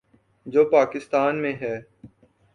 جو پاکستان میں ہے۔